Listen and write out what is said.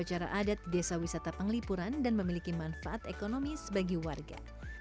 acara adat desa wisata penglipuran dan memiliki manfaat ekonomi sebagai warga